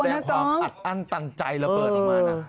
แสดงความอันตันใจระเบิดออกมา